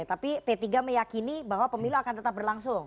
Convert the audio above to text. tapi p tiga meyakini bahwa pemilu akan tetap berlangsung